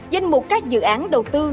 danh mục các dự án đầu tư